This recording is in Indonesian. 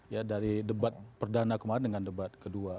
ya dari debat perdana kemarin dengan debat kedua